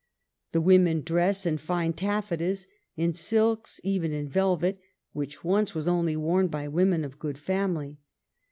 The women dress in fine taffetas, in silks, even in velvet, '* which once was only worn by women of good family."